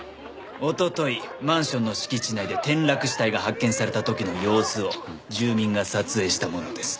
一昨日マンションの敷地内で転落死体が発見された時の様子を住民が撮影したものです。